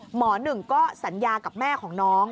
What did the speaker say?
หมอหนึ่งก็สัญญากับแม่ของน้อง